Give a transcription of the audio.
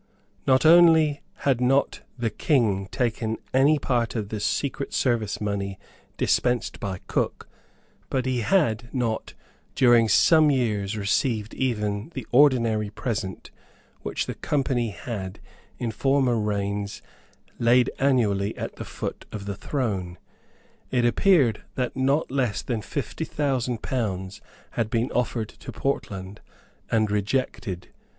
Not only had not the King taken any part of the secret service money dispensed by Cook; but he had not, during some years, received even the ordinary present which the Company had, in former reigns, laid annually at the foot of the throne. It appeared that not less than fifty thousand pounds had been offered to Portland, and rejected.